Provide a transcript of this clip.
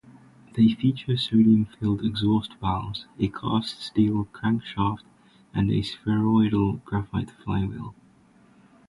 They feature sodium-filled exhaust valves, a cast steel crankshaft, and a spheroidal graphite flywheel.